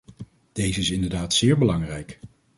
Deze is inderdaad zeer belangrijk.